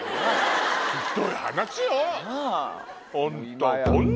ひっどい話よ！